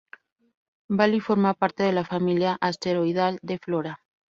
Bali forma parte de la familia asteroidal de Flora.